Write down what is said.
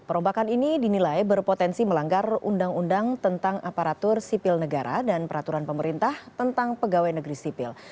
perombakan ini dinilai berpotensi melanggar undang undang tentang aparatur sipil negara dan peraturan pemerintah tentang pegawai negeri sipil